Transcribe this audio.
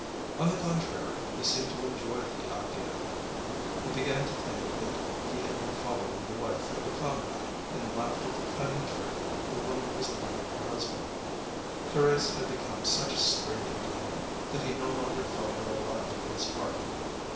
On the contrary, he seemed to enjoy the idea. He began to think that he had been following the wife of a comrade, and laughed at the cunning trick the woman was playing her husband. Thérèse had become such a stranger to him, that he no longer felt her alive in his heart.